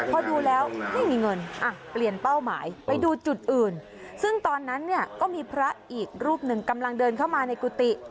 พอดูแล้วไม่มีเงินอ่ะเปลี่ยนเป้าหมายไปดูจุดอื่นซึ่งตอนนั้นเนี่ยก็มีพระอีกรูปหนึ่งกำลังเดินเข้ามาในกุฏิ